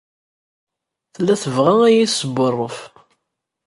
Tella tebɣa ad iyi-tesbuṛṛef.